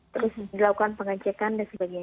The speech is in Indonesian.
terus dilakukan pengecekan dan sebagainya